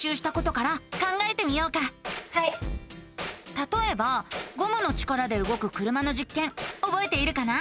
たとえばゴムの力でうごく車のじっけんおぼえているかな？